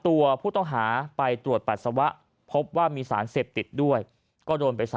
ตัวผู้ต้องหาไปตรวจปัสสาวะพบว่ามีสารเสพติดด้วยก็โดนไป๓